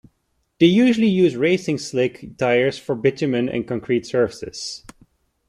They usually use racing slick tyres for bitumen and concrete surfaces.